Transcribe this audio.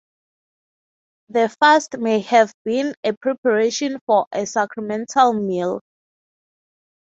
The fast may have been a preparation for a sacramental meal.